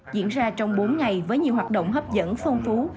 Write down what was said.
diễn ra trong bốn ngày với nhiều hoạt động hấp dẫn phong phú